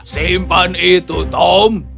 simpan itu tom